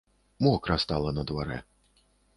Мокра стала на дварэ.